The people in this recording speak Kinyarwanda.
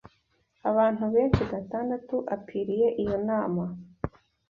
Abantu benshi барiriye iyo nama.